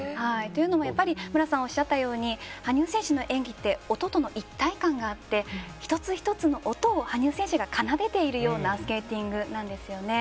というのも、やっぱり無良さんがおっしゃったように羽生選手の演技って音との一体感があって１つ１つの音を羽生選手が奏でているようなスケーティングなんですよね。